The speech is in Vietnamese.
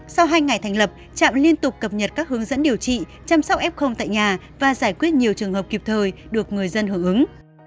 sau hai ngày thành lập trạm liên tục cập nhật các hướng dẫn điều trị chăm sóc f tại nhà và giải quyết nhiều trường hợp kịp thời được người dân hưởng ứng